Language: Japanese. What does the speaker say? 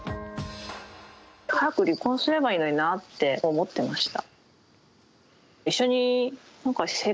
早く離婚すればいいのになって思ってました。